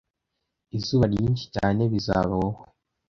Izuba ryinshi cyane bizaba wowe!